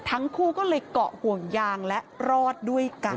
ทั้งคู่ก็เลยเกาะห่วงยางและรอดด้วยกัน